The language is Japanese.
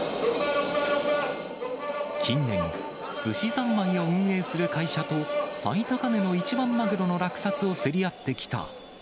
近年、すしざんまいを運営する会社と、最高値の一番マグロの落札を競り合ってきた、